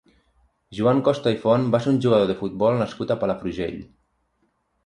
Joan Costa i Font va ser un jugador de futbol nascut a Palafrugell.